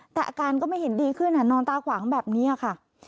แต่อาการก็ไม่เห็นดีขึ้นนอนตาขวางแบบนี้ค่ะ